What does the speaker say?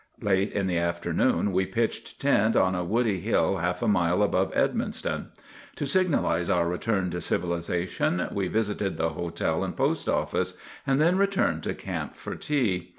Late in the afternoon we pitched tent on a woody hill half a mile above Edmundston. To signalize our return to civilization we visited the hotel and post office, and then returned to camp for tea.